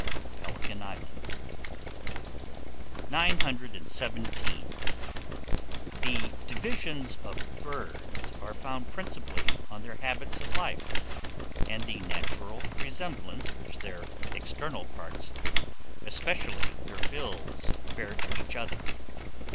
The Pelican Island. 917. THE DIVISIONS OF BIRDS are founded principally on their habits of life, and the natural resemblance which their external parts, especially their bills, bear to each other.